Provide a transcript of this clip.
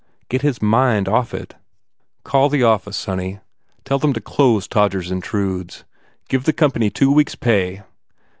Get his mind off it. "Call the office, sonny. Tell them to close Todgers Intrudes. Give the company two weeks pay.